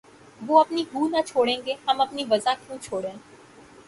وہ اپنی خو نہ چھوڑیں گے‘ ہم اپنی وضع کیوں چھوڑیں!